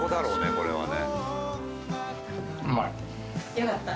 これはね。